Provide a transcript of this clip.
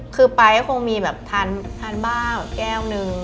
คือปาร์ตี้ก็คงมีแบบทานบ้าแก้วนึง